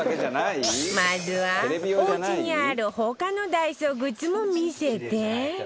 まずはおうちにある他のダイソーグッズも見せて